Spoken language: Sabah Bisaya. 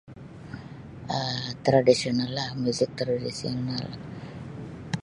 um Tradisional lah muzik tradisional.